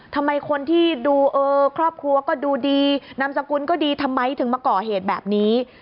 ทำไมคนที่ดูเออครอบครัวก็ดูดีนามสกุลก็ดีทำไมถึงมาก่อเหตุแบบนี้